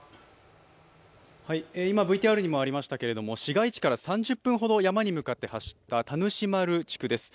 今、ＶＴＲにもありましたけれども市街地から３０分ほど山に向かって走った田主丸地区です。